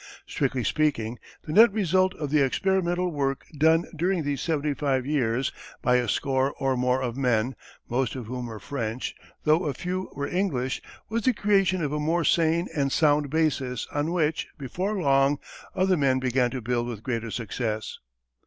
Strictly speaking the net result of the experimental work done during these seventy five years by a score or more of men, most of whom were French, though a few were English, was the creation of a more sane and sound basis on which, before long, other men began to build with greater success.